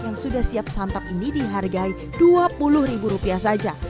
yang sudah siap santap ini dihargai dua puluh ribu rupiah saja